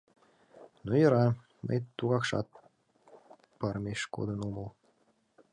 Ну, йӧра, мый тугакшат парымеш кодын омыл.